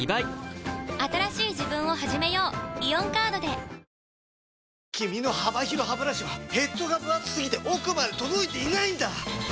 こだわりの一杯「ワンダ極」君の幅広ハブラシはヘッドがぶ厚すぎて奥まで届いていないんだ！